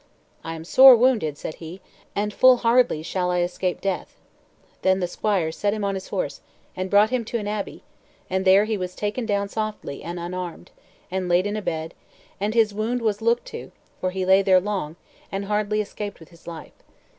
"I am sore wounded," said he, "and full hardly shall I escape death." Then the squire set him on his horse, and brought him to an abbey; and there he was taken down softly, and unarmed, and laid in a bed, and his wound was looked to, for he lay there long, and hardly escaped with his life.